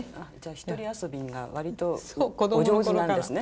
一人遊びが割とお上手なんですね。